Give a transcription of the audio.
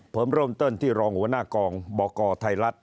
ผมเริ่มต้นที่รองหัวหน้ากองบกไทยรัฐ